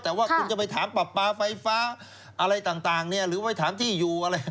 แต่ว่าคุณจะไปถามปรับปลาไฟฟ้าอะไรต่างหรือไว้ถามที่อยู่อะไร